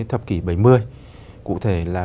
thập kỷ bảy mươi cụ thể là